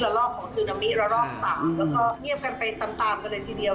ลอกของซึนามิระรอก๓แล้วก็เงียบกันไปตามกันเลยทีเดียว